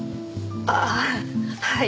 ああはい。